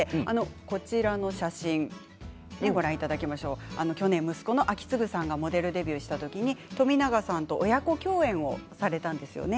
こちらの写真は去年、息子の章胤さんがデビューした時に親子共演をされたんですよね。